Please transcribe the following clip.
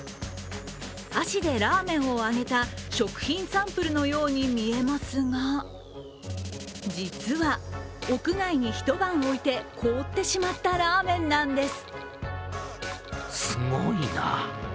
箸でラーメンを上げた食品サンプルのように見えますが、実は、屋外に一晩置いて凍ってしまったラーメンなんです。